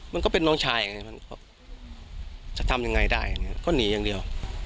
มันก็เป็นน้องชายอย่างเงี้ยจะทำยังไงได้ก็หนีอย่างเดียว